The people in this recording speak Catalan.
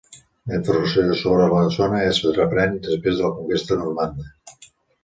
La informació sobre la zona es reprèn després de la conquesta normanda.